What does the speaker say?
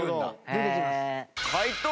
出てきます。